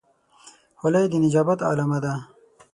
خولۍ د نجابت علامه ده.